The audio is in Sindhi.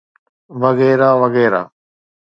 وغيره وغيره.